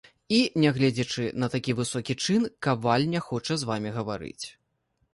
І нягледзячы на такі высокі чын каваль не хоча з вамі гаварыць.